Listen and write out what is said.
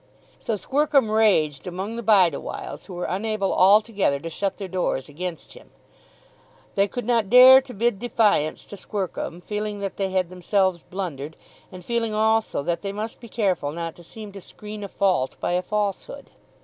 So Squercum raged among the Bideawhiles, who were unable altogether to shut their doors against him. They could not dare to bid defiance to Squercum, feeling that they had themselves blundered, and feeling also that they must be careful not to seem to screen a fault by a falsehood.